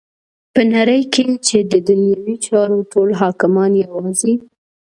په نړی کی چی ددنیوی چارو ټول حاکمان یواځی